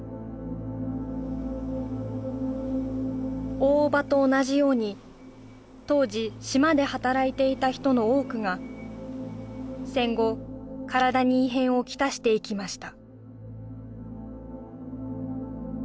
大伯母と同じように当時島で働いていた人の多くが戦後体に異変をきたしていきました